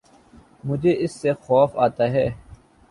مجھے اس سے خوف آتا ہے